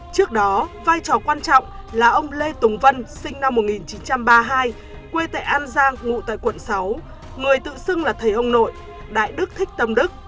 trước đó vai trò quan trọng là ông lê tùng vân sinh năm một nghìn chín trăm ba mươi hai quê tại an giang ngụ tại quận sáu người tự xưng là thầy ông nội đại đức thích tâm đức